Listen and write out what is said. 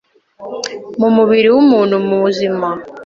mu mubiri w’umuntu muzima